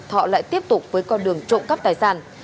thọ lại tiếp tục với con đường trộm cắp tài sản